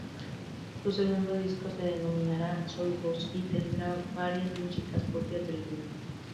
Su segundo disco se denominará ""Soy Vos"", y tendrá varias músicas propias del grupo.